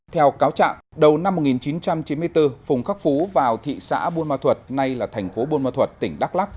theo cáo trạng đầu năm một nghìn chín trăm chín mươi bốn phùng khắc phú vào thị xã buôn ma thuật nay là thành phố buôn ma thuật tỉnh đắk lắc